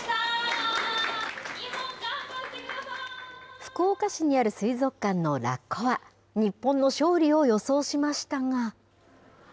福岡市にある水族館のラッコは、日本の勝利を予想しましたが。